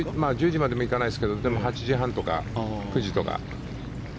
１０時まで行かないですが８時半とか９時とか。